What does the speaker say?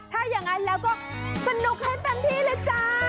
ถ้าอย่างนั้นแล้วก็สนุกให้เต็มที่เลยจ้า